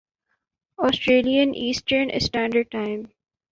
Australian Eastern Standard time